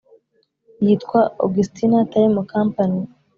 yitwa: “augustina time company “